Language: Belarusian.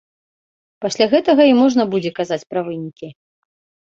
Пасля гэтага і можна будзе казаць пра вынікі.